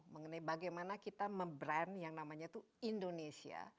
mengenai bagaimana kita mem brand yang namanya itu indonesia